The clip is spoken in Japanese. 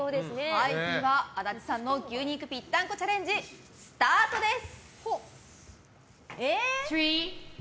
では、足立さんの牛肉ぴったんこチャレンジスタートです！